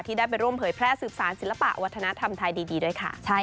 ได้ไปร่วมเผยแพร่สืบสารศิลปะวัฒนธรรมไทยดีด้วยค่ะ